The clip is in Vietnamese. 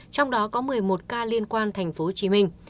trong đó có một mươi một ca liên quan thành phố hồ chí minh